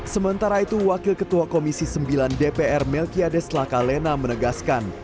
sementara itu wakil ketua komisi sembilan dpr melkiades lakalena menegaskan